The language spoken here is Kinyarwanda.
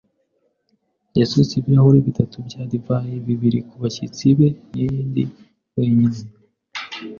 yasutse ibirahuri bitatu bya divayi, bibiri kubashyitsi be n'indi wenyine.